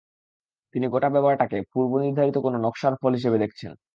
তিনি গোটা ব্যাপারটাকে পূর্বনির্ধারিত কোনো 'নকশার' ফল হিসেবে দেখছেন।